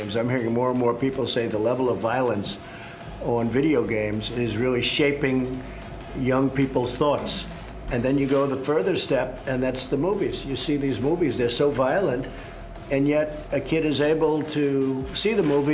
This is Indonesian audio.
saya mendengar lebih banyak orang mengatakan bahwa level kekerasan di video game itu benar benar menciptakan pikiran orang muda